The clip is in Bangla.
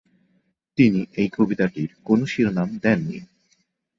তিনি এই কবিতাটির কোনো শিরোনাম দেননি।